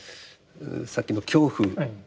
さっきの恐怖